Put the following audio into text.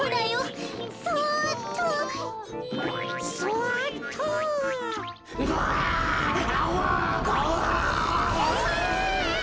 うわ！